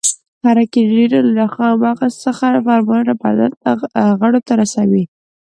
حرکي نیورونونه له نخاع او مغز څخه فرمانونه بدن غړو ته رسوي.